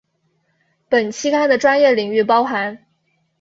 本期刊的专业领域包含